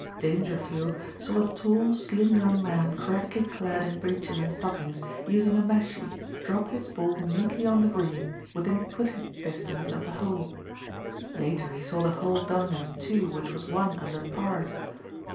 Dangerfield saw a tall, slim young man correctly clad in breeches and stockings, using a mashie, drop his ball neatly on the green within putting distance of the hole. Later he saw the hole done in two which was one under par.